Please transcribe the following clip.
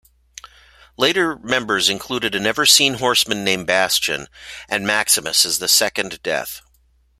Later members included a never-seen Horseman named Bastion and Maximus as the second Death.